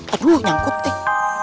aduh nyangkut deh